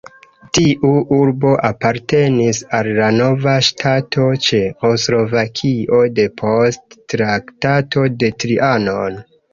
Tiu urbo apartenis al la nova ŝtato Ĉeĥoslovakio depost Traktato de Trianon.